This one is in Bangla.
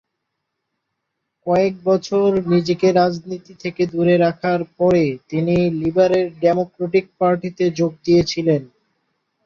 কয়েক বছর নিজেকে রাজনীতি থেকে দূরে রাখার পরে তিনি লিবারেল ডেমোক্র্যাটিক পার্টিতে যোগ দিয়েছিলেন।